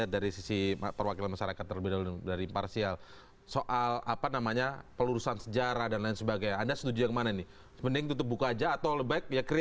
dewan revolusi pada tanggal satu oktober